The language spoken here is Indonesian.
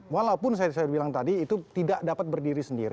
walaupun saya bilang tadi itu tidak dapat berdiri sendiri